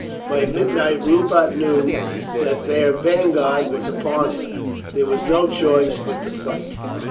By midnight Rupert knew that their vanguard was upon him. There was no choice but to fight.